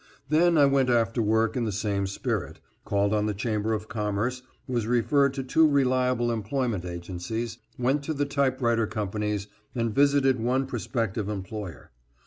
Then I went after work in the same spirit; called on the Chamber of Commerce, was referred to two reliable employment agencies, went to the typewriter companies, and visited one prospective employer.